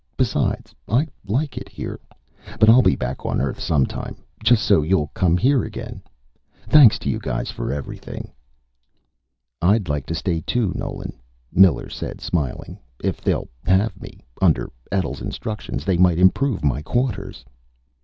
Besides, I like it here. But I'll be back on Earth some time. Just so you'll come here again. Thanks to you guys for everything." "I'd like to stay too, Nolan," Miller said, smiling. "If they'll have me. Under Etl's instructions, they might improve my quarters."